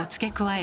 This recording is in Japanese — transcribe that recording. え？